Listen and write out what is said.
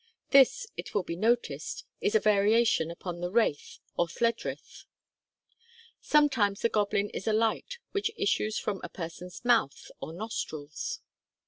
This, it will be noticed, is a variation upon the wraith, or Lledrith. Sometimes the goblin is a light which issues from a person's mouth or nostrils.